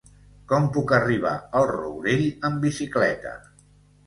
Com puc arribar al Rourell amb bicicleta?